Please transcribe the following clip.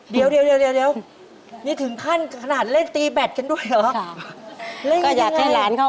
เดี๋ยวเดี๋ยวนี่ถึงขั้นขนาดเล่นตีแบตกันด้วยเหรอ